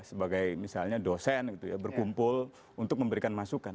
sebagai dosen berkumpul untuk memberikan masukan